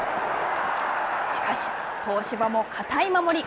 しかし、東芝も堅い守り。